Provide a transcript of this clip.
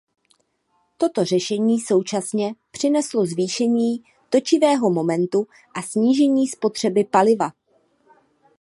Toto řešení současně přineslo zvýšení točivého momentu a snížení spotřeby paliva.